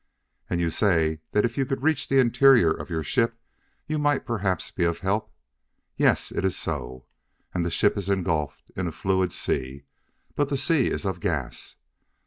"And you say that if you could reach the interior of your ship you might perhaps be of help. Yes, it is so! And the ship is engulfed in a fluid sea, but the sea is of gas.